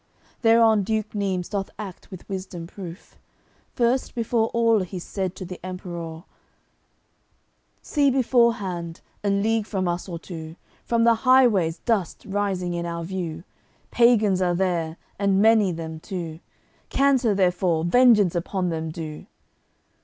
Thereon Duke Neimes doth act with wisdom proof, First before all he's said to the Emperour: "See beforehand, a league from us or two, From the highways dust rising in our view; Pagans are there, and many them, too. Canter therefore! Vengeance upon them do!"